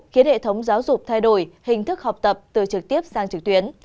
khiến hệ thống giáo dục thay đổi hình thức học tập từ trực tiếp sang trực tuyến